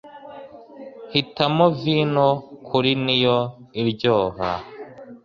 hitamo vino kuri niyo iryoha